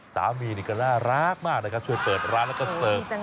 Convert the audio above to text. สามีนี่ก็น่ารักมากนะครับช่วยเปิดร้านแล้วก็เสิร์ฟ